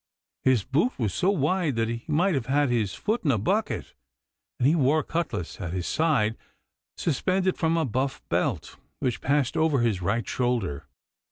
His boot was so wide that he might have had his foot in a bucket, and he wore a cutlass at his side suspended from a buff belt, which passed over his right shoulder.